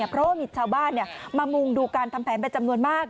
เพราะว่ามีชาวบ้านมามุงดูการทำแผนเป็นจำนวนมาก